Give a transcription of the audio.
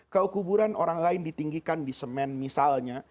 kalau kuburan orang lain ditinggikan di semen misalnya